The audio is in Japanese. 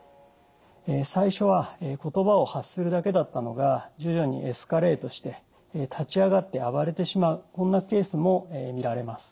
最初は言葉を発するだけだったのが徐々にエスカレートして立ち上がって暴れてしまうこんなケースも見られます。